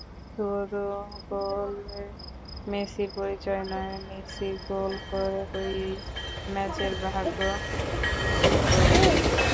শুধু গোলে মেসির পরিচয় নয়, মেসি গোল করে-করিয়েই ম্যাচের ভাগ্য ঠিক করে দেন।